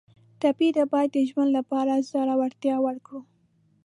ټپي ته باید د ژوند لپاره زړورتیا ورکړو.